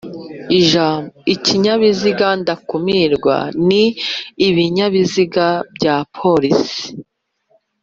Ijambo "ikinyabiziga - ndakumirwa" ni ibinyabiziga by'abapolisi